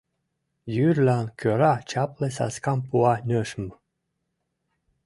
Йӱрлан кӧра чапле саскам пуа нӧшмӧ